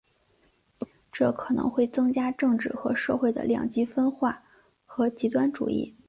这可能会增加政治和社会的两极分化和极端主义。